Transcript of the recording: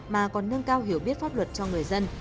mà còn nâng cao hiểu biết pháp luật cho người dân